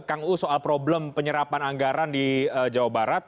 kang u soal problem penyerapan anggaran di jawa barat